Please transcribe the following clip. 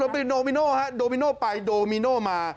เป็นโดมิโน่ฮะโดมิโน่ไปโดมิโน่มา